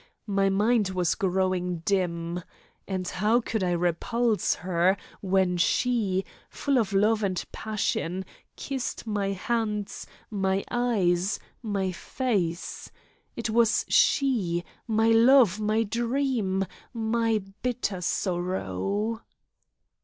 My mind was growing dim. And how could I repulse her when she, full of love and passion, kissed my hands, my eyes, my face? It was she, my love, my dream, my bitter sorrow!